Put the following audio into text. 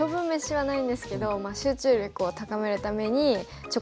はい。